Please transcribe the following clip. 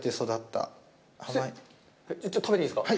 食べていいですか？